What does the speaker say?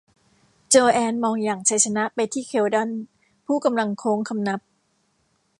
โจแอนมองอย่างชัยชนะไปที่เขลดอน ผู้กำลังโค้งคำนับ